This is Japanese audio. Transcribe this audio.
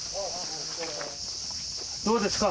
どうですか？